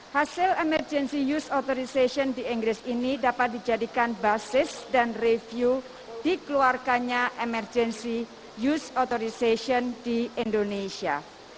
hasil emergency use authorization di inggris ini dapat dijadikan basis dan review dikeluarkannya emergency use authorization di indonesia